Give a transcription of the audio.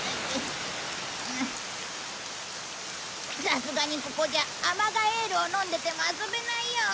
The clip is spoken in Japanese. さすがにここじゃアマガエールを飲んでても遊べないよ。